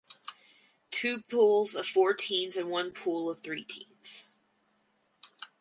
Two pools of four teams and one pool of three teams.